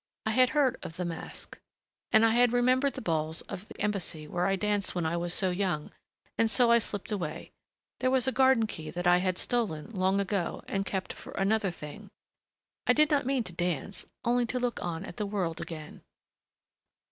I had heard of the masque, and I remembered the balls of the Embassy where I danced when I was so young and so I slipped away there was a garden key that I had stolen, long ago, and kept for another thing.... I did not mean to dance. Only to look on at the world again."